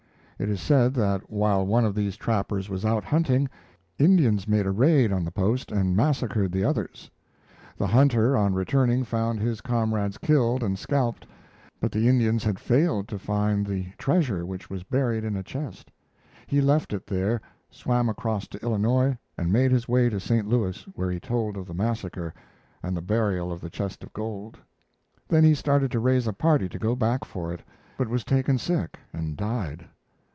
It is said that, while one of these trappers was out hunting, Indians made a raid on the post and massacred the others. The hunter on returning found his comrades killed and scalped, but the Indians had failed to find the treasure which was buried in a chest. He left it there, swam across to Illinois, and made his way to St. Louis, where he told of the massacre and the burial of the chest of gold. Then he started to raise a party to go back for it, but was taken sick and died.